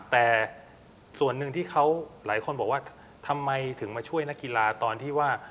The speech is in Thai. แต่ส่วนหนึ่งที่เขาหลายคนบอกว่าทำไมถึงมาช่วยนักกีฬาตอนที่ว่า